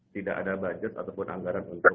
tidak ada budget ataupun anggaran untuk